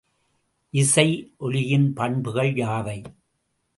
இசை ஒலியின் பண்புகள் யாவை?